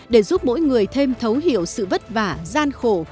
để giúp mỗi người thêm thấu hiểu sự vất vả gian khổ